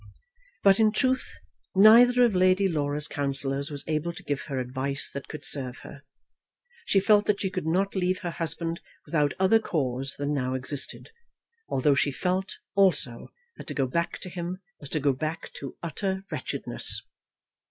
But in truth neither of Lady Laura's councillors was able to give her advice that could serve her. She felt that she could not leave her husband without other cause than now existed, although she felt, also, that to go back to him was to go back to utter wretchedness.